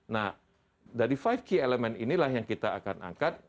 nah dari five key element ini lah yang kita akan angkat